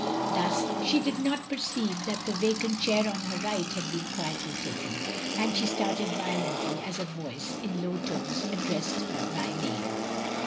Thus she did not perceive that the vacant chair on her right had been quietly taken, and she started violently as a voice in low tones ad dressed her by name.